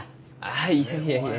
あいやいやいや。